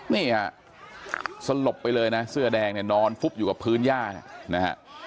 นี่ฮะสลบไปเลยนะเสื้อแดงเนี่ยนอนฟุบอยู่กับพื้นย่าเนี่ยนะฮะ